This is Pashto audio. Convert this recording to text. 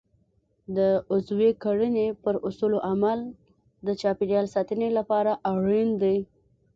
د عضوي کرنې پر اصولو عمل د چاپیریال ساتنې لپاره اړین دی.